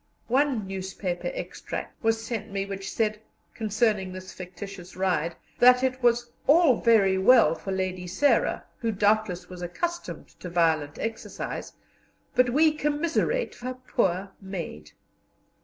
One newspaper extract was sent me which said, concerning this fictitious ride, that it "was all very well for Lady Sarah, who doubtless was accustomed to violent exercise, but we commiserate her poor maid."